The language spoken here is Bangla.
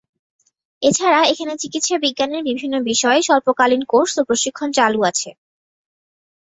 এছাড়া এখানে চিকিৎসাবিজ্ঞানের বিভিন্ন বিষয়ে স্বল্পকালীন কোর্স ও প্রশিক্ষন চালু আছে।